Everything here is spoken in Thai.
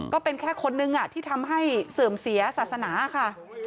ก็เป็นแค่คนนึงที่ทำให้เสื่อมเสียศาสนาค่ะ